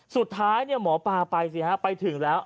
สุดท้ายหมอปลาไปสิฮะไปถึงแล้ว